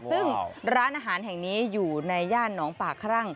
ซึ่งร้านอาหารแห่งนี้อยู่ในย่านหนองป่าครั่ง